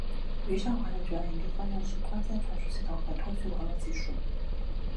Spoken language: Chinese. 余少华的主要研究方向是光纤传输系统和通信网络技术。